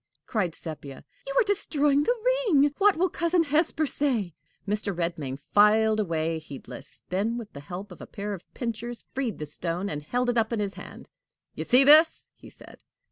cried Sepia; "you are destroying the ring! What will Cousin Hesper say?" Mr. Redmain filed away, heedless; then with the help of a pair of pincers freed the stone, and held it up in his hand. "You see this?" he said.